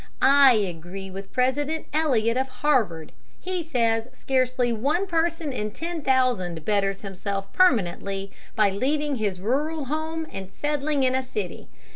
I agree with President Eliot, of Harvard. He says scarcely one person in ten thousand betters himself permanently by leaving his rural home and settling in a city.